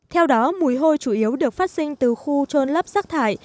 theo đó mùi hôi chủ yếu được phát sinh từ khu trôn lấp rác thải